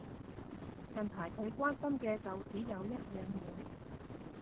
近排佢關心嘅就只有一樣嘢